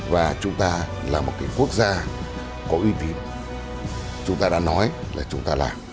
và chúng ta là một quốc gia có uy tín chúng ta đã nói là chúng ta làm